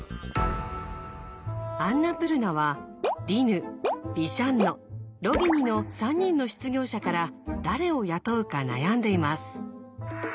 アンナプルナはディヌビシャンノロギニの３人の失業者から誰を雇うか悩んでいます。